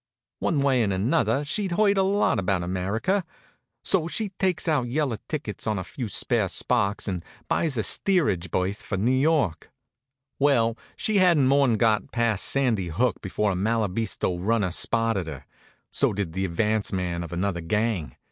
One way and another she'd heard a lot about America. So she takes out yellow tickets on a few spare sparks and buys a steerage berth for New York. Well, she hadn't more'n got past Sandy Hook before a Malabisto runner spotted her. So did the advance man of another gang.